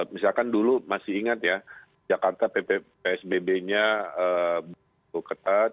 misalkan dulu masih ingat ya jakarta psbb nya ketat